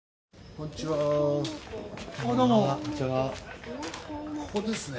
こんちはこんちはここですね